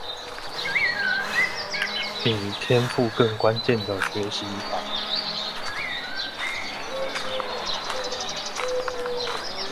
比天賦更關鍵的學習法